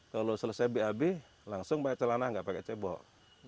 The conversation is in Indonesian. kalau selesai bab langsung pakai celana nggak pakai cebok